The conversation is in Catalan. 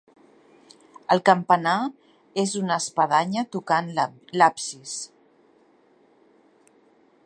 El campanar és una espadanya tocant l'absis.